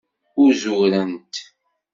Uzurent.